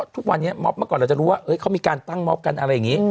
ทุกวันนี้ม็อบเมื่อก่อนเราจะรู้ว่าเขามีการตั้งมอบกันอะไรอย่างนี้